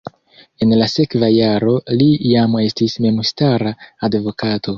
En la sekva jaro li jam estis memstara advokato.